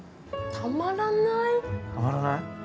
たまらない？